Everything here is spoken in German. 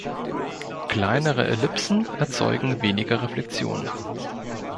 Kleinere Ellipsen erzeugen weniger Reflexionen.